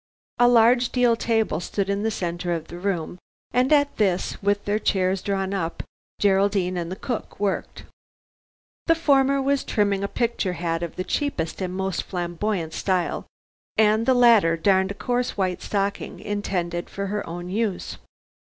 A large deal table stood in the center of the room, and at this with their chairs drawn up, Geraldine and the cook worked. The former was trimming a picture hat of the cheapest and most flamboyant style, and the latter darned a coarse white stocking intended for her own use.